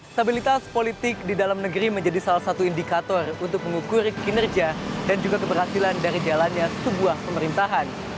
stabilitas politik di dalam negeri menjadi salah satu indikator untuk mengukur kinerja dan juga keberhasilan dari jalannya sebuah pemerintahan